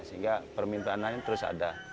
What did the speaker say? sehingga permintaan lain terus ada